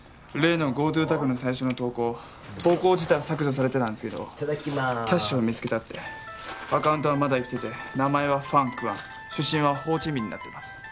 例のＧＯＴＯタグの最初の投稿投稿自体は削除されてたんですけどキャッシュを見つけたってアカウントはまだ生きてて名前はファン・クアン出身はホーチミンになってます